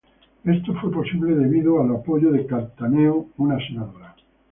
Esto fue posible debido al apoyo de Cattaneo, una senadora.